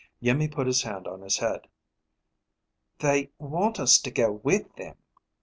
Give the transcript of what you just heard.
Iimmi put his hand on his head. "They want us to go with them...."